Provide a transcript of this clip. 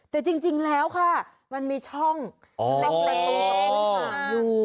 แต่จริงแล้วค่ะมันมีช่องรอบตรงข้างอยู่